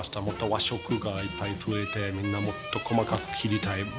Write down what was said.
もっと和食がいっぱい増えてみんなもっと細かく切りたい。